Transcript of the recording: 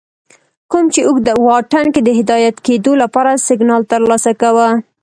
کوم چې اوږد واټن کې د هدایت کېدو لپاره سگنال ترلاسه کوه